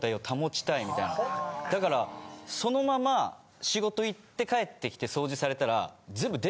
だからそのまま仕事行って帰ってきて掃除されたら。